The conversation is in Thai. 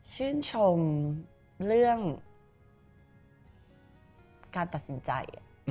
ชื่นชมเรื่องการตัดสินใจ